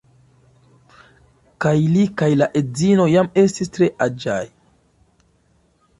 Kaj li kaj la edzino jam estis tre aĝaj.